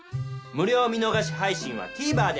無料見逃し配信はＴＶｅｒで！